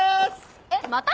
えっまた？